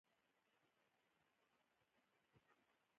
لعل د افغانستان د امنیت په اړه هم اغېز لري.